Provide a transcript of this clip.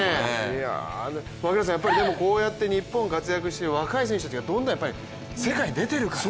こうやって日本で活躍している若い選手たちがどんどん世界に出てるから。